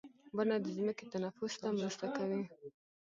• ونه د ځمکې تنفس ته مرسته کوي.